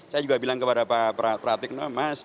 saya juga bilang kepada pak pratik nomas